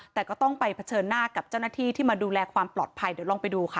แต่ก็ต้องไปเผชิญหน้ากับเจ้าหน้าที่ที่มาดูแลความปลอดภัยเดี๋ยวลองไปดูค่ะ